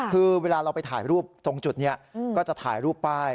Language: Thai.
คือเวลาเราไปถ่ายรูปตรงจุดนี้ก็จะถ่ายรูปป้าย